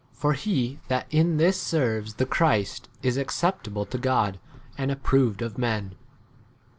For he that in this p serves the Christ i [is] acceptable to God and approved of men.